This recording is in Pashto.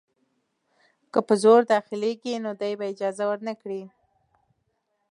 که په زور داخلیږي نو دی به اجازه ورنه کړي.